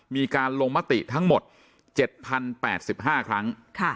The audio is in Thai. มีการลงมติทั้งหมด๗๐๘๕ครั้ง